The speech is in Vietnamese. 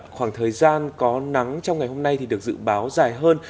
khoảng thời gian có nắng trong ngày hôm nay thì được dự báo dài hơn